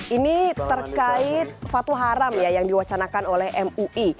ini terkait fatwa haram ya yang diwacanakan oleh mui